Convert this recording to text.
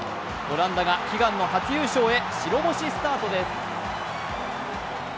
オランダが悲願の初優勝へ白星スタートです。